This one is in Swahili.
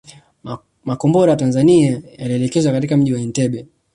Makombora ya Tanzania yalielekezwa katika mji wa Entebbe